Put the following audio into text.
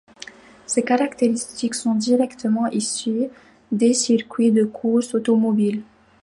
Ces caractéristiques sont directement issues des circuits de courses automobiles.